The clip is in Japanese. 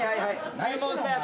注文したやつ。